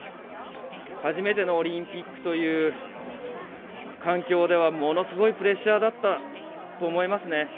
初めてのオリンピックという環境ではものすごいプレッシャーだったと思いますね。